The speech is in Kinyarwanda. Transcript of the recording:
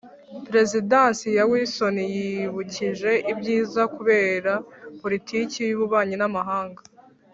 perezidansi ya wilson yibukije ibyiza kubera politiki y’ububanyi n’amahanga